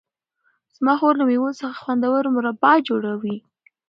زما خور له مېوو څخه خوندور مربا جوړوي.